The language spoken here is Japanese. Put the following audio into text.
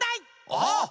あっ！